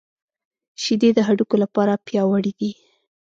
شیدې د هډوکو لپاره پياوړې دي